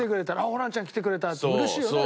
「ホランちゃん来てくれた！」って嬉しいよね